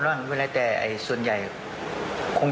มันมีโอกาสเกิดอุบัติเหตุได้นะครับ